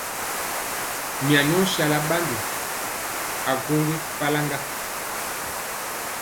Mya nyɔ sala ɓandi akwagɔ falk ŋga.